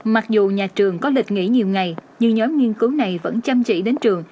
mặc dù nhà trường có lịch nghỉ nhiều ngày nhưng nhóm nghiên cứu này vẫn chăm chỉ đến trường